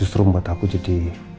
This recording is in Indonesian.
justru membuat aku jadi